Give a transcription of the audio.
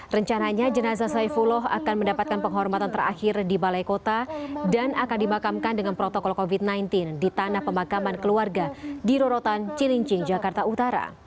rencananya jenazah saifullah akan mendapatkan penghormatan terakhir di balai kota dan akan dimakamkan dengan protokol covid sembilan belas di tanah pemakaman keluarga di rorotan cilincing jakarta utara